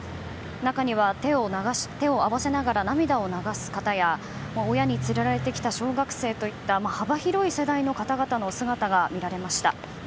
中には手を合わせながら涙を流す方や親に連れられてきた小学生といった幅広い世代の方々の姿が見られました。